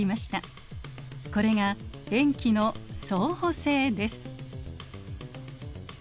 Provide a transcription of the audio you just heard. これが塩基の相補性です。